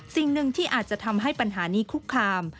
สิ่งหนึ่งที่อาจจะทำให้ปัญหานี้คุกคาม